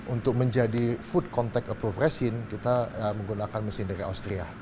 untuk menjadi food contact approvasi kita menggunakan mesin dari austria